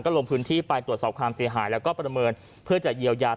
ลงพื้นที่ไปตรวจสอบความเสียหายแล้วก็ประเมินเพื่อจะเยียวยา